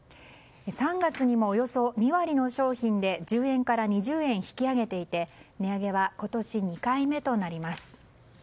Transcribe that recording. ３月にもおよそ２割の商品で１０円から２０円引き上げていて値上げは今年２回目となります。